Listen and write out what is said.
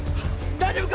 大丈夫か？